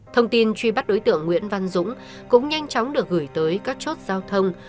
thông tin truy bắt đối tượng nguyễn văn dũng cũng nhanh chóng được gửi tới các chốt giao thông